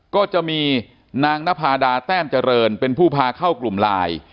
ก็จะมีนางนภาดาแต้มเจริญเป็นผู้พาเข้ากลุ่มไลน์